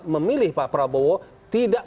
memilih pak prabowo tidak